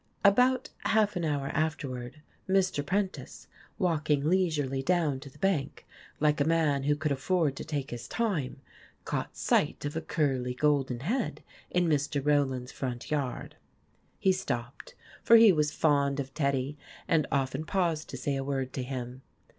About half an hour afterward, Mr. Prentice, walking leisurely down to the bank, like a man who could afford to take his time, TEDDY AND THE WOLF 153 caught sight of a curly, golden head in Mr. Rowland's front yard. He stopped, for he was fond of Teddy and often paused to say a word to him.